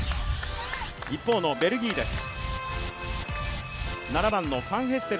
一方のベルギーです。